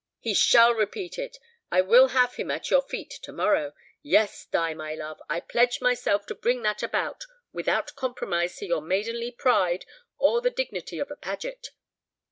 "He shall repeat it; I will have him at your feet to morrow. Yes, Di, my love, I pledge myself to bring that about, without compromise to your maidenly pride or the dignity of a Paget.